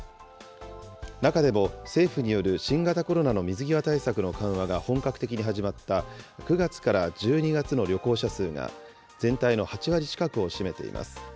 中でも、政府による新型コロナの水際対策の緩和が本格的に始まった、９月から１２月の旅行者数が、全体の８割近くを占めています。